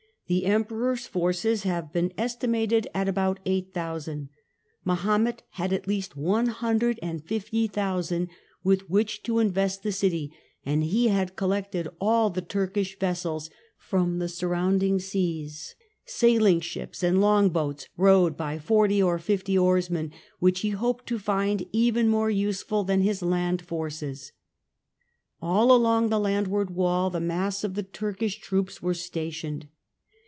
The Emperor's forces have been estimated at about 266 THE END OF THE MIDDLE AGE Naval vie tory for the Chris tians 8,000; Mahomet had at least 150,000 with which to invest the city, and he had collected all the Turkish vessels from the surrounding seas, sailing ships and long boats rowed by forty or fifty oarsmen, which he hoped to find even more useful than his land forces. All along the landward wall the mass of the Turkish troops were stationed.